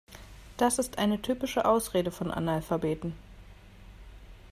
Das ist eine typische Ausrede von Analphabeten.